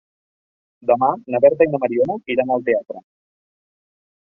Demà na Berta i na Mariona iran al teatre.